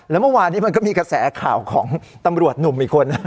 แล้วเมื่อวานนี้มันก็มีกระแสข่าวของตำรวจหนุ่มอีกคน